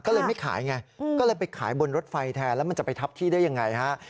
ก็เลยไม่ขายไงก็เลยไปขายบนรถไฟแทนแล้วมันจะไปทับที่ได้ยังไงฮะ